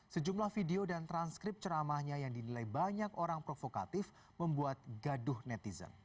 sejumlah video dan transkrip ceramahnya yang dinilai banyak orang provokatif membuat gaduh netizen